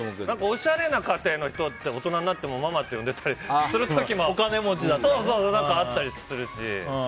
おしゃれな家庭の人って大人になってもママって呼んでたりする時もあったりするし。